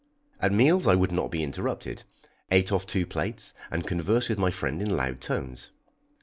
At meals I would not be interrupted, ate off two plates, and conversed with my friend in loud tones.